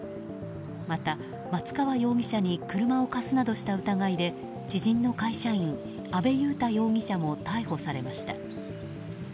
また、松川容疑者に車を貸すなどした疑いで知人の会社員、阿部祐太容疑者も逮捕されました。